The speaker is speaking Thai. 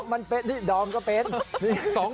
มันเป็นนี่ดอมก็เป็น